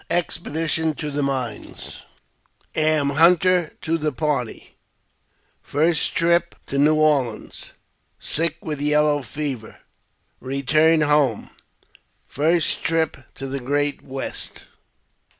Expedition to the Mines — Am Hunter to the Party — First Trip to New Orleans — Sick with Yellow Fever — Beturn Home — First Trip to the Great West.